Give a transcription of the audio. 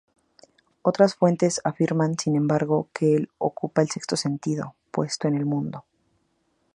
Otras fuentes afirman sin embargo que ocupa el sexto puesto en el mundo.